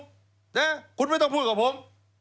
ใช่ไหมคุณไม่ต้องพูดกับผม